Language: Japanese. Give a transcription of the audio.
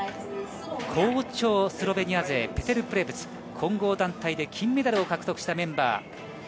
好調スロベニア勢、ペテル・プレブツ、混合団体で金メダルを獲得したメンバー。